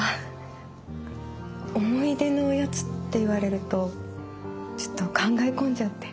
思い出のおやつって言われるとちょっと考え込んじゃって。